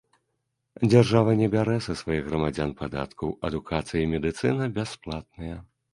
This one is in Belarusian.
Дзяржава не бярэ са сваіх грамадзян падаткаў, адукацыя і медыцына бясплатныя.